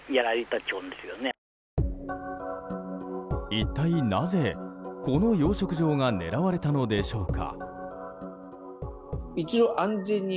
一体なぜ、この養殖場が狙われたのでしょうか。